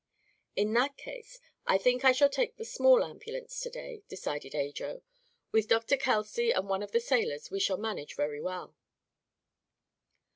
"In that case, I think I shall take the small ambulance to day," decided Ajo. "With Dr. Kelsey and one of the sailors we shall manage very well."